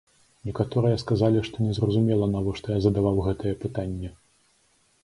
Некаторыя сказалі, што незразумела, навошта я задаваў гэтае пытанне.